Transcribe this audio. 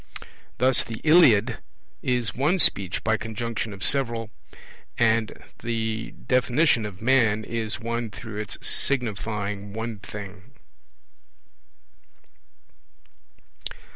Thus the Iliad is one Speech by conjunction of several; and the definition of man is one through its signifying one thing.